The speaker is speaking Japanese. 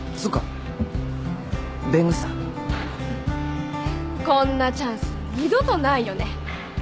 うんこんなチャンス二度とないよね。